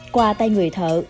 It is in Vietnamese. qua tay người thợ